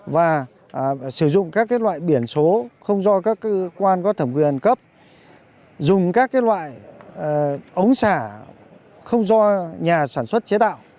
và sử dụng các loại biển số không do các cơ quan có thẩm quyền cấp dùng các loại ống xả không do nhà sản xuất chế tạo